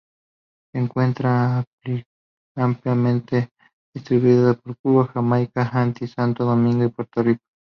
Se encuentran ampliamente distribuidas por Cuba, Jamaica, Haití, Santo Domingo y Puerto Rico.